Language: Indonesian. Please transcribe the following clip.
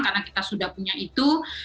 karena kita sudah punya itu